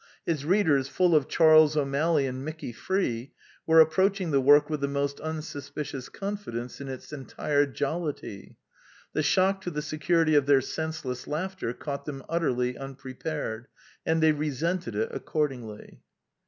His readers, full of Charles O'Malley and Mickey Free, were ap proaching the work with the most unsuspicious confidence in its entire jollity. The shock to the security of their senseless laughter caught them utterly unprepared; and they resented it accordingly.